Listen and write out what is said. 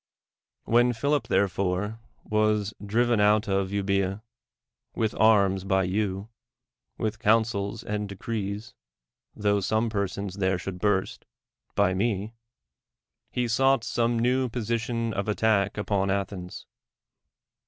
When Philip therefore was driven out of Euba^a, with arms by you, v.ith cuunsels and decrees — 1J2 DEMO STHENES tho some persons there should burst !— by me, he sought some new position of attack upon Athens.